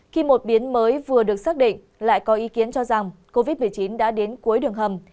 khi một biến mới vừa được xác định lại có ý kiến cho rằng covid một mươi chín đã đến cuối đường hầm